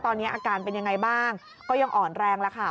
ตอนนี้อาการเป็นยังไงบ้างก็ยังอ่อนแรงแล้วค่ะ